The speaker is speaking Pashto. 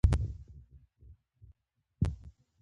د لمونځ له لارې انسان الله ته شکر ادا کوي.